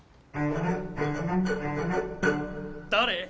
誰！？